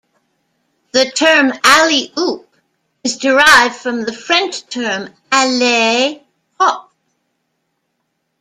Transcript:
The term "alley-oop" is derived from the French term "allez hop!